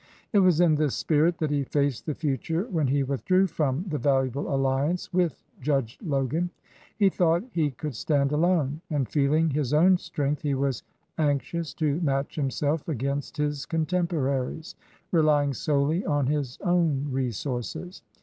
It was in this spirit that he faced the future when he withdrew from the valuable alliance with Judge Logan. He thought he could stand alone, and, feeling his own strength, he was anx ious to match himself against his contemporaries, relying solely on his own resources.